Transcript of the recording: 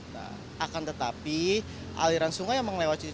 dan akan tetapi aliran sungai yang mengeluar ciliwung lama